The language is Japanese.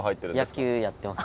野球やってます。